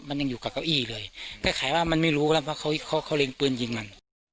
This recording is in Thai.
มันยังอยู่กับเก้าอี้เลยก็ขายว่ามันไม่รู้แล้วว่าเขาเขาเล็งปืนยิงมัน